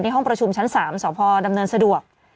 ห้องประชุมชั้น๓สพดำเนินสะดวก